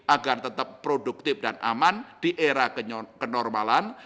agar tetap produktif dan aman di era kenormalan